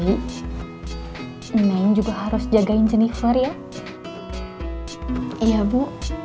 henry meneng juga harus jagain jenifer ya iya bu